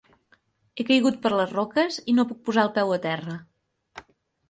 He caigut per les roques i no puc posar el peu a terra.